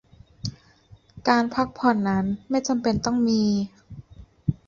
การพักผ่อนนั้นไม่จำเป็นต้องมี